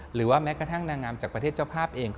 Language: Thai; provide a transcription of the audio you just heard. หรือว่าแม้กระทั่งนางงามจากประเทศเจ้าภาพเอง